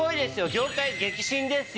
業界激震ですよ。